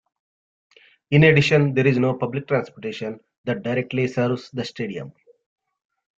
In addition, there is no public transportation that directly serves the stadium.